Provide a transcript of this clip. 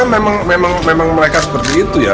menurut saya memang mereka seperti itu ya